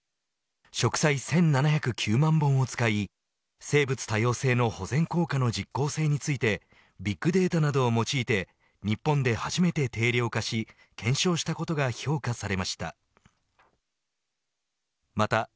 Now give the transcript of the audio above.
植栽１７０９万本を使い生物多様性の保全効果の実効性についてビッグデータなどを用いて日本で初めて定量化し検証したことが評価されました。